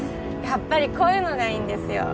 やっぱりこういうのがいいんです